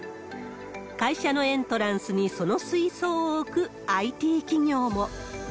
会社のエントランスにその水槽を置くＩＴ企業も。